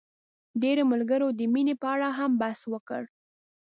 ډېری ملګرو د مينې په اړه هم بحث وکړ.